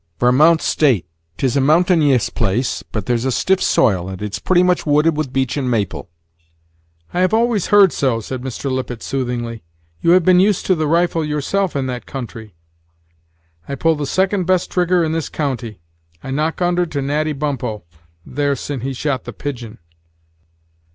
"Varmount State; 'tis a mountaynious place, but there's a stiff soil, and it's pretty much wooded with beech and maple." "I have always heard so," said Mr. Lippet soothingly. "You have been used to the rifle yourself in that country." "I pull the second best trigger in this county. I knock under to Natty Bumppo, there, sin' he shot the pigeon."